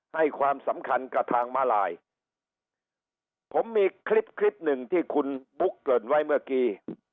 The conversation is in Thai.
ให้ความสำคัญกับทางมาลายผมมีคลิปคลิปหนึ่งที่คุณบุ๊กเกริ่นไว้เมื่อกี้